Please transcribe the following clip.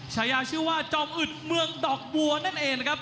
ฉายาชื่อว่าจอมอื่นเมืองดอกบัวนั่นเองนะครับ